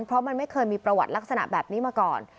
เพราะมันไม่เคยมีประวัติลักษณะแบบนี้มาก่อน